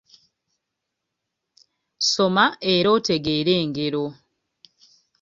Soma era oteegere engero.